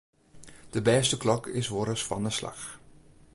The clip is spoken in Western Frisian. De bêste klok is wolris fan 'e slach.